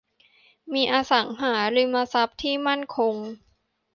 มีอสังหาริมทรัพย์ที่มั่นคง